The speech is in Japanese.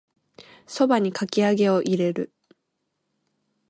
蕎麦にかき揚げを入れる